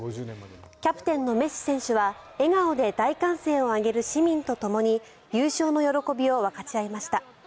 キャプテンのメッシ選手は笑顔で大歓声を上げる市民とともに優勝の喜びを分かち合いました。